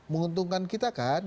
menguntungkan kita kan